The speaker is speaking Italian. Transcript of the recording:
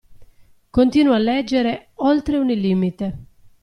Continua a leggere Oltre ogni limite.